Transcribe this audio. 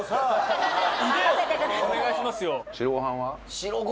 お願いしますよ。